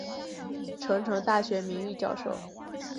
成城大学名誉教授。